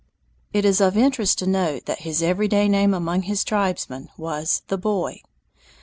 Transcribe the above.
It is of interest to note that his everyday name among his tribesmen was "The Boy."